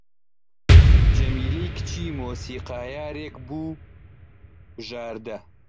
جەمیلەی کچی مۆسیقارێک بوو بژاردە